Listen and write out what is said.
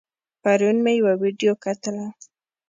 پرون مې يوه ويډيو کتله